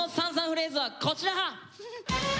フレーズはこちら！